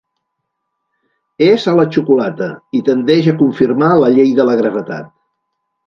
És a la xocolata i tendeix a confirmar la llei de la gravetat.